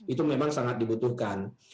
itu memang sangat dibutuhkan